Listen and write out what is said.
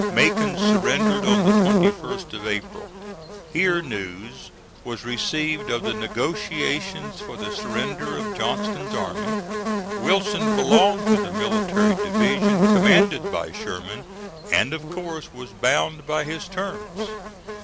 Macon surrendered on the 21st of April. Here news was received of the negotiations for the surrender of Johnston's army. Wilson belonged to the military division commanded by Sherman, and of course was bound by his terms.